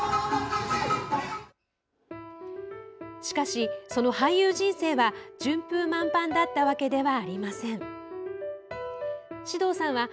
しかし、その俳優人生は順風満帆だったわけではありません。